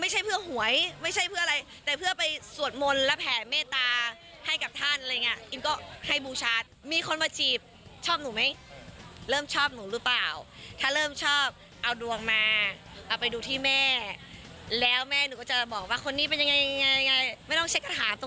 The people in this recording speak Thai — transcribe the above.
หนูถามตรงเลย